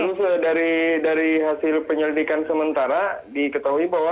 terus dari hasil penyelidikan sementara diketahui bahwa